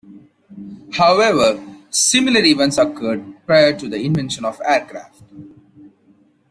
However, similar events occurred prior to the invention of aircraft.